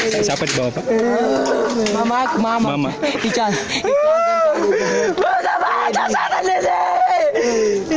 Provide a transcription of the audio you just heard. siapa di bawah